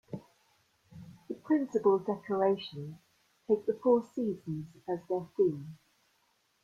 The principal decorations take the four seasons as their theme.